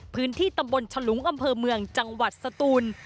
พื้นที่ตำบลฉลุงอำเภอเมืองจังหวัดสตูน